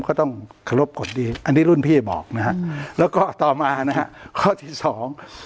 ก็ต้องเคารพกฎดีอันนี้รุ่นพี่บอกนะฮะแล้วก็ต่อมานะฮะข้อที่สอง